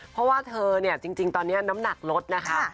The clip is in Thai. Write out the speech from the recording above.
เพราะว่าเธอเนี้ยจริงจริงตอนเนี้ยน้ำหนักลดนะคะค่ะ